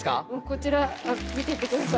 こちら見ていってください。